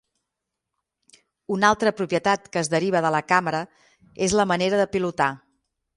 Una altra propietat que es deriva de la càmera és la manera de pilotar.